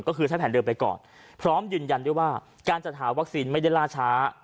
ก็คือใช้แผนเดิมไปก่อนพร้อมยืนยันด้วยว่าการจัดหาวัคซีนไม่ได้ล่าช้า